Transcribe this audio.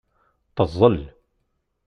Teẓẓel.